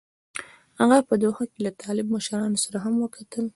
هغه په دوحه کې له طالب مشرانو سره هم وکتل.